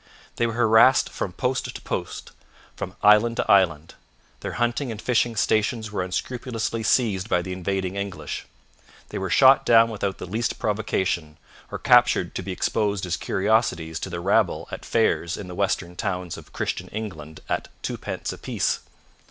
They were harassed from post to post, from island to island: their hunting and fishing stations were unscrupulously seized by the invading English. They were shot down without the least provocation, or captured to be exposed as curiosities to the rabble at fairs in the western towns of Christian England at twopence apiece.'